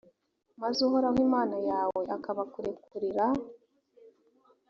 maze uhoraho imana yawe akabakurekurira,